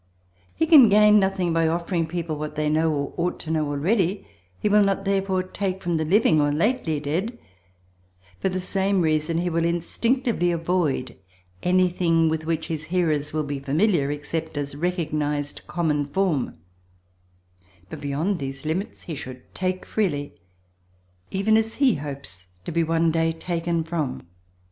He can gain nothing by offering people what they know or ought to know already, he will not therefore take from the living or lately dead; for the same reason he will instinctively avoid anything with which his hearers will be familiar, except as recognised common form, but beyond these limits he should take freely even as he hopes to be one day taken from.